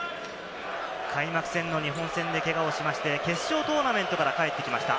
開幕戦の日本戦で、けがをしまして、決勝トーナメントから帰ってきました。